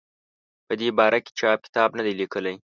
په دې باره کې چا کتاب نه دی لیکلی.